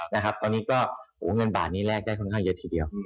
เงินบาทนี้เนื่องมีแลกได้ค่อนข้างเยอะทีเดียว